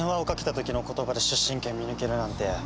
時の言葉で出身県見抜けるなんて